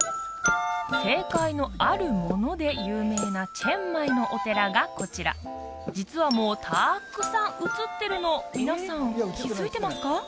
正解のあるもので有名なチェンマイのお寺がこちら実はもうたくさん映ってるの皆さん気づいてますか？